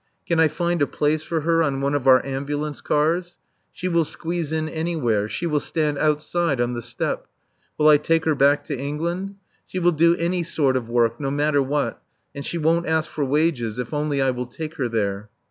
Can I find a place for her on one of our ambulance cars? She will squeeze in anywhere, she will stand outside on the step. Will I take her back to England? She will do any sort of work, no matter what, and she won't ask for wages if only I will take her there.